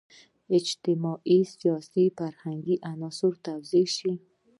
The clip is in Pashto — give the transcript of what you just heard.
اجتماعي، سیاسي، فرهنګي عناصر توضیح شي.